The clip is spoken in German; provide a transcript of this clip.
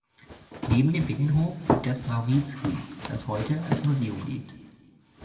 Neben dem Binnenhof liegt das Mauritshuis, das heute als Museum dient.